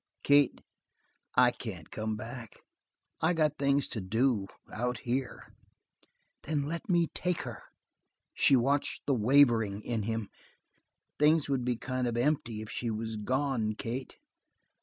"Kate, I can't come back. I got things to do out here!" "Then let me take her." She watched the wavering in him. "Things would be kind of empty if she was gone, Kate."